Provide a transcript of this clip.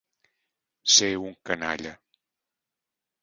Ser un canalla.